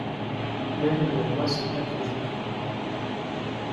Même le roi se prête au jeu.